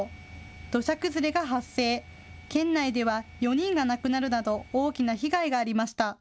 土砂崩れが発生、県内では４人が亡くなるなど大きな被害がありました。